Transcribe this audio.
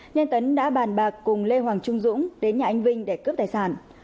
nên tấn đã bàn bạc cùng lê hoàng trung dũng đến nhà anh vinh để cướp tài sản